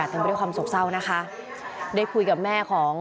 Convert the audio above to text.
อันนั้นเหลี่ยงลูกเหลี่ยงเลยเก่ง